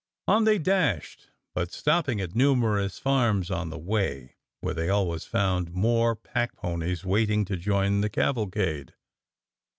On they dashed, but stopping at numerous farms on the way, where they always found more packponies waiting to join the cavalcade.